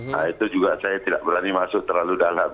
nah itu juga saya tidak berani masuk terlalu dalam